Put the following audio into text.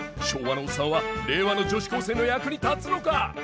昭和のオッサンは令和の女子高生の役に立つのか！？